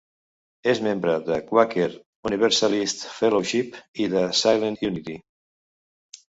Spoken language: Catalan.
És membre de Quaker Universalist Fellowship i de Silent Unity.